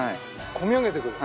こみ上げてくる。